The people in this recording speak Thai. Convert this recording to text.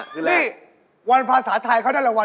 กลับมาแล้วก็ยังไม่เสร็จเง่าไหม